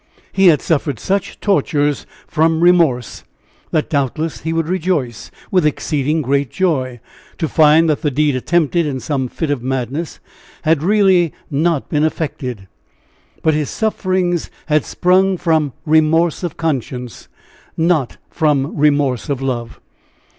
He had suffered such tortures from remorse that doubtless he would rejoice "with exceeding great joy" to find that the deed attempted in some fit of madness had really not been effected. But his sufferings had sprung from remorse of conscience, not from remorse of love.